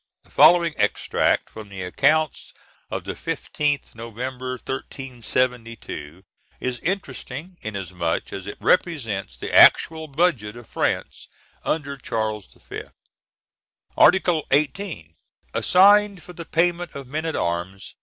"] The following extract from the accounts of the 15th November, 1372, is interesting, inasmuch as it represents the actual budget of France under Charles V.: Article 18. Assigned for the payment of men at arms